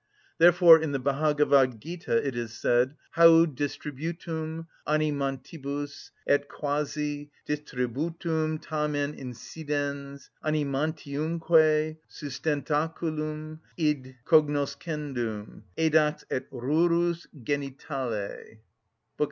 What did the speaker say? Therefore in the Bhagavad‐ gita it is said: "_Haud distributum animantibus, et quasi distributum tamen insidens, animantiumque sustentaculum id cognoscendum, edax et rursus genitale_" (Lect.